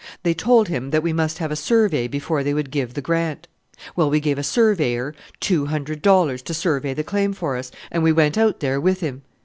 They told him that we must have a survey before they would give the grant. Well, we gave a surveyor two hundred dollars to survey the claim for us, and we went out there with him.